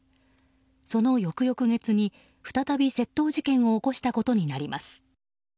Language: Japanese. その翌々月に再び窃盗事件を起こしたことになります。